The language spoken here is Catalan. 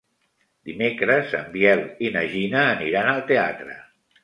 Dimecres en Biel i na Gina aniran al teatre.